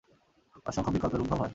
অসংখ্য বিকল্পের উদ্ভব হয়।